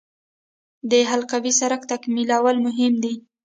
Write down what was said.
د حلقوي سړک تکمیلول مهم دي